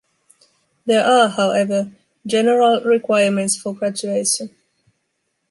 There are, however, general requirements for graduation.